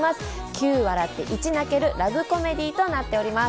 ９笑って１泣けるラブコメディーとなっております。